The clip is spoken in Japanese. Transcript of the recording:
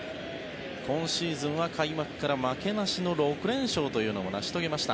今シーズンは開幕から負けなしの６連勝というのも成し遂げました。